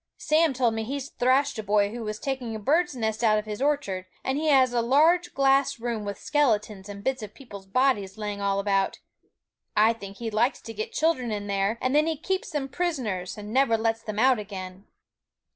Sam told me he thrashed a boy who was taking a bird's nest out of his orchard; and he has a large glass room with skeletons and bits of people's bodies lying all about. I think he likes to get children in there, and then he keeps them prisoners, and never lets them out again.'